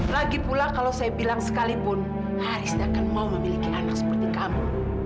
lagi pula kalau saya bilang sekalipun haris tidak akan mau memiliki anak seperti kamu